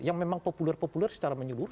yang memang populer populer secara menyeluruh